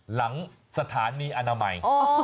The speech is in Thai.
หลังสถานีอนามัย